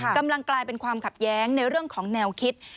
กำลังกลายเป็นความขัดแย้งในเรื่องของแนวคิด